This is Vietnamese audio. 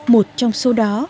một trong số đó